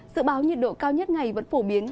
dự báo nhiệt độ cao nhất ngày vẫn phổ biến